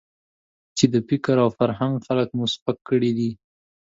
چې د فکر او فرهنګ خلک مو سپک کړي دي.